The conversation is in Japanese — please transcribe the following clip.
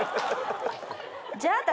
じゃあ私